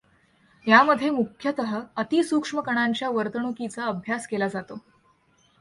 यामध्ये मुख्यतः अतिसूक्ष्म कणांच्या वर्तणुकीचा अभ्यास केला जातो.